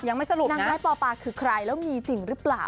สรุปนางร้ายปอปาคือใครแล้วมีจริงหรือเปล่า